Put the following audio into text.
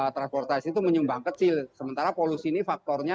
transportasi itu menyumbang kecil sementara polusi ini faktornya